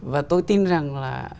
và tôi tin rằng là